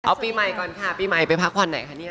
เอาปีใหม่ก่อนค่ะปีใหม่ไปพักวันไหนค่ะ